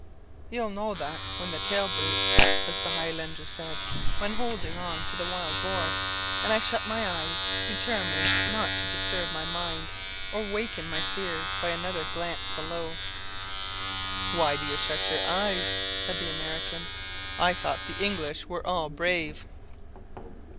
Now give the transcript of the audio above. "You'll know that when the tail breaks," as the Highlander said when holding on to the wild boar; and I shut my eyes, determined not to disturb my mind or waken my fears by another glance below. "Why do you shut your eyes?" said the American. "I thought the English were all brave."